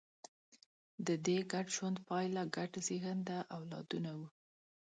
د دې ګډ ژوند پایله ګډ زېږنده اولادونه وو.